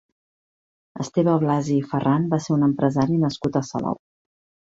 Esteve Blasi i Ferran va ser un empresari nascut a Salou.